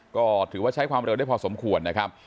ก็ถือว่าใช้ความเร็วได้พอสมควรนะครับ